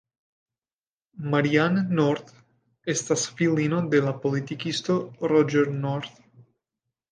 Marianne North estis filino de la politikisto Roger North.